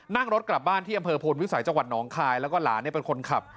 นั่งรถกลับบ้านที่อำเภอโพนวิสัยจังหวัดหนองคายแล้วก็หลานเป็นคนขับ